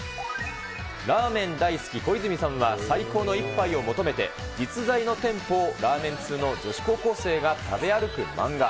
ラーメン大好き小泉さんは、最高の一杯を求めて、実在の店舗をラーメン通の女子高校生が食べ歩く漫画。